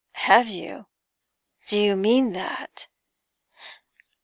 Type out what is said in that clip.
'Have you? Do you mean that?'